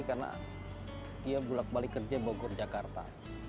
karena dia bulat balik kerja bogor jakarta